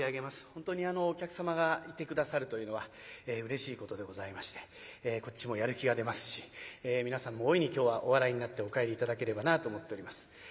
本当にお客様がいて下さるというのはうれしいことでございましてこっちもやる気が出ますし皆さんも大いに今日はお笑いになってお帰り頂ければなぁと思っております。